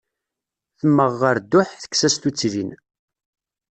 Temmeɣ ɣer dduḥ, tekkes-as tutlin.